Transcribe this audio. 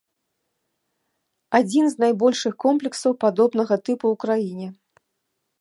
Адзін з найбольшых комплексаў падобнага тыпу ў краіне.